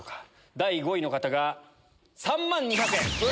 第５位の方が３万２００円。